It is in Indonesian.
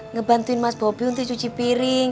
ngebantuin mas bobi untuk cuci piring